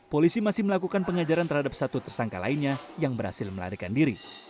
polisi masih melakukan pengajaran terhadap satu tersangka lainnya yang berhasil melarikan diri